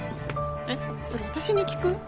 えっそれ私に聞く？